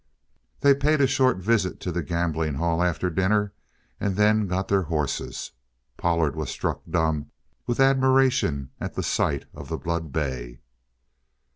They paid a short visit to the gambling hall after dinner, and then got their horses. Pollard was struck dumb with admiration at the sight of the blood bay.